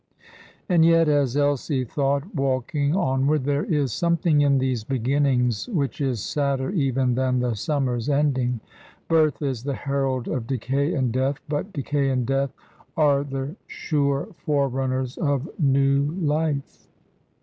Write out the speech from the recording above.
And yet, as Elsie thought, walking onward, there is something in these beginnings which is sadder even than the summer's ending. Birth is the herald of decay and death, but decay and death are the sure forerunners of new life.